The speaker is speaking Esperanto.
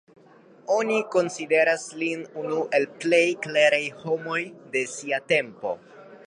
Oni konsideras lin unu el plej kleraj homoj de sia tempo.